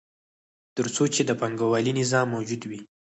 تر څو چې د پانګوالي نظام موجود وي